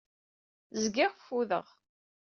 Zgiɣ ffudeɣ.